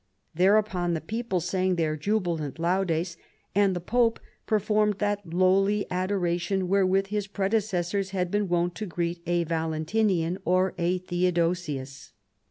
" Thereupon the people sang their jubilant laudes, and the pope performed that lowly adoration wherewath his predecessors had been wont to greet a Valentinian or a Theodosius.